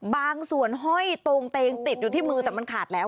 บางส่วนห้อยตรงเตงติดอยู่ที่มือแต่มันขาดแล้ว